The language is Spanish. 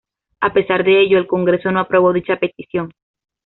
A pesar de ello el Congreso no aprobó dicha petición.